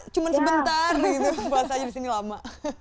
cuma sebentar puas aja di sini lama